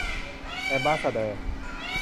แอมบาสซาเดอร์